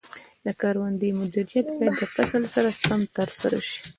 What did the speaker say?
د کروندې مدیریت باید د فصل سره سم ترسره شي.